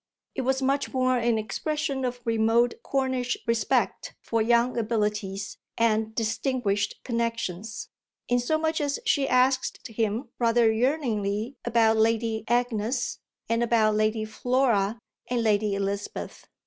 It was much more an expression of remote Cornish respect for young abilities and distinguished connexions, inasmuch as she asked him rather yearningly about Lady Agnes and about Lady Flora and Lady Elizabeth.